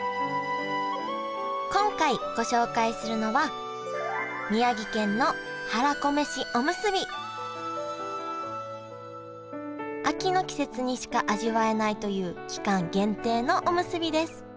今回ご紹介するのは秋の季節にしか味わえないという期間限定のおむすびです。